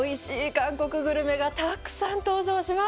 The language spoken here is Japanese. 韓国グルメがたくさん登場します。